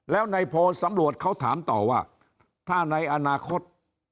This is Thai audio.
แล้วในโพลสำรวจเขาถามต่อว่าถ้าในอนาคต